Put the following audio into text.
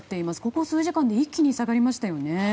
ここ数時間で一気に下がりましたよね。